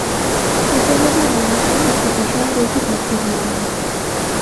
উপহার দিয়ে বাংলাঘরের একটা বিশাল চৌকি ভর্তি হয়ে গেল।